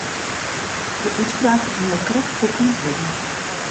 De útspraak is no krekt bekend wurden.